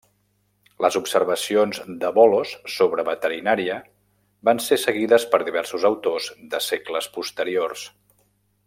Les observacions de Bolos sobre veterinària van ser seguides per diversos autors de segles posteriors.